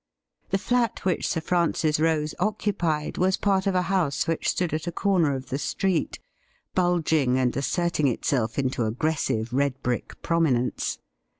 The flat which Sir Francis Rose occu pied was part of a house which stood at a corner of the 'THAT LADY IS NOT NOW LIVING' 151 street, bulging and asserting itself into aggressive red brick prominence.